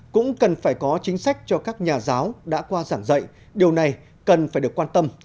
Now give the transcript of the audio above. cũng cần phải có chính sách cho các nhà giáo đã qua giảng dạy điều này cần phải được quan tâm